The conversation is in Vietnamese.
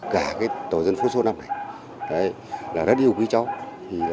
cả tổ dân phố số năm này là rất yêu quý cháu